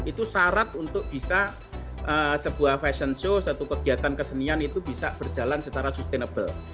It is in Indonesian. itu syarat untuk bisa sebuah fashion show satu kegiatan kesenian itu bisa berjalan secara sustainable